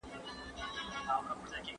بابولاله